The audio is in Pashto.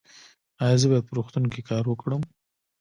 ایا زه باید په روغتون کې کار وکړم؟